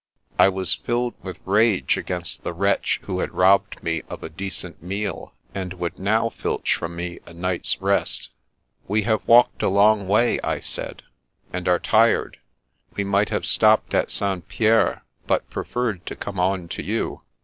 I was filled with rage against the wretch who had robbed me of a decent meal, and would now filch from me a night's rest. " We have walked a long way," I said, " and are tired. We might have stopped at St. Pierre, but preferred to come on to you.